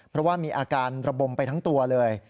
เพราะว่ามีอาการระบมไปทั้งตัวเลย